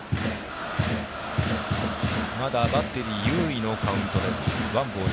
まだバッテリー優位のカウントです。